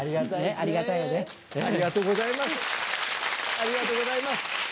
ありがとうございます。